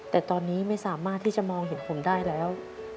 แต่ตอนนี้ไม่สามารถที่จะมองเห็นผมได้แล้ว